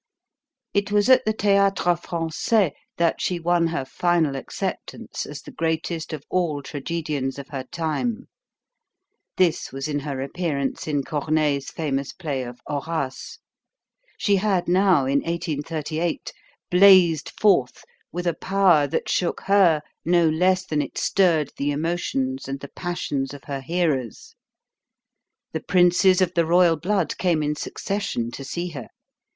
It was at the Theatre Francais that she won her final acceptance as the greatest of all tragedians of her time. This was in her appearance in Corneille's famous play of "Horace." She had now, in 1838, blazed forth with a power that shook her no, less than it stirred the emotions and the passions of her hearers. The princes of the royal blood came in succession to see her.